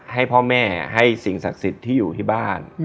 ให้พ่อแม่ให้สิ่งศักดิ์สิทธิ์ที่อยู่ที่บ้าน